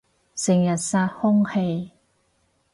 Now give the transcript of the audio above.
成日殺空氣